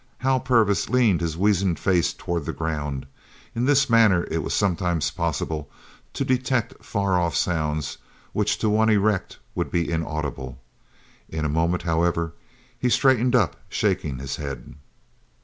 Hal Purvis leaned his weazened face towards the ground. In this manner it was sometimes possible to detect far off sounds which to one erect would be inaudible. In a moment, however, he straightened up, shaking his head.